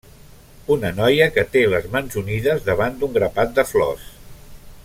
Una noia que té les mans unides davant d'un grapat de flors.